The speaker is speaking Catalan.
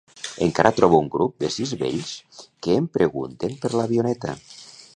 Encara trobo un grup de sis vells que em pregunten per l'avioneta.